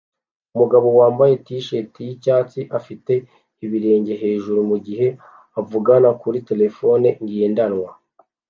Umugabo wambaye t-shirt yicyatsi afite ibirenge hejuru mugihe avugana kuri terefone ngendanwa